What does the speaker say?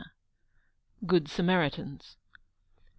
GOOD SAMARITANS.